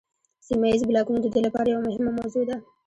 سیمه ایز بلاکونه د دوی لپاره یوه مهمه موضوع ده